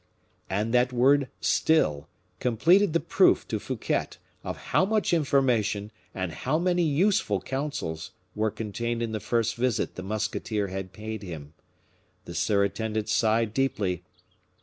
And that word still completed the proof to Fouquet of how much information and how many useful counsels were contained in the first visit the musketeer had paid him. The surintendant sighed deeply.